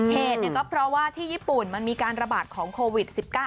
เหตุก็เพราะว่าที่ญี่ปุ่นมันมีการระบาดของโควิด๑๙